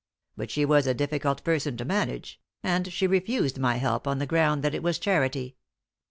But she was a difficult person to manage; and she refused my help on the ground that it was charity."